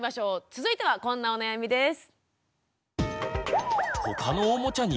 続いてはこんなお悩みです。